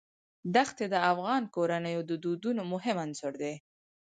دښتې د افغان کورنیو د دودونو مهم عنصر دی.